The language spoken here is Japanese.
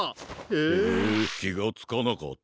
へえきがつかなかった。